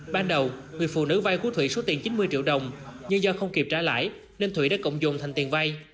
ban đầu người phụ nữ vai của thủy số tiền chín mươi triệu đồng nhưng do không kịp trả lãi nên thủy đã cộng dùng thành tiền vai